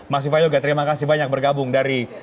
mas ifayoga terima kasih banyak bergabung dari